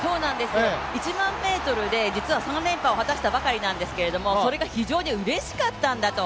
１００００ｍで実は連覇を果たしたばかりなんですがそれが非常にうれしかったんだと。